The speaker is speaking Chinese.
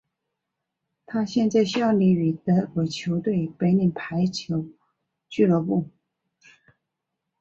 他现在效力于德国球队柏林排球俱乐部。